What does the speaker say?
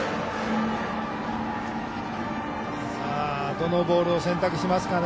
どのボールを選択しますかね。